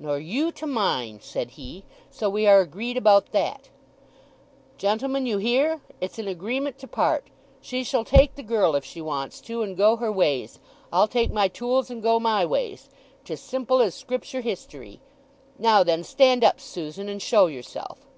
"Nor you to mine," said he. "So we are agreed about that. Gentlemen, you hear? It's an agreement to part. She shall take the girl if she wants to, and go her ways. I'll take my tools, and go my ways. 'Tis simple as Scripture history. Now then, stand up, Susan, and show yourself."